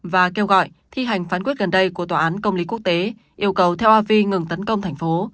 và kêu gọi thi hành phán quyết gần đây của tòa án công lý quốc tế yêu cầu tel avi ngừng tấn công thành phố